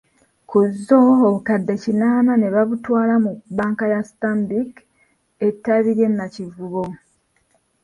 Ku zzo, obukadde kinaana ne babutwala mu banka ya Stanbic ettabi ly'e Nakivubo.